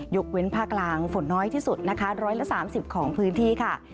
ยกเว้นภาคกลางฝนน้อยที่สุดนะคะ๑๓๐ของพื้นที่ค่ะ